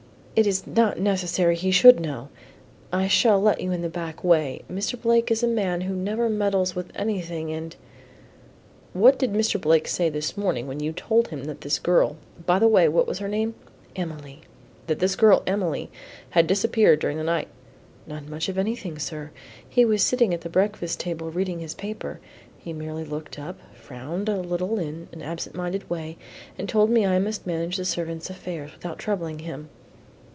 It is not necessary he should know. I shall let you in the back way. Mr. Blake is a man who never meddles with anything, and " "What did Mr. Blake say this morning when you told him that this girl By the way, what is her name?" "Emily." "That this girl, Emily, had disappeared during the night?" "Not much of anything, sir. He was sitting at the breakfast table reading his paper, he merely looked up, frowned a little in an absent minded way, and told me I must manage the servants' affairs without troubling him."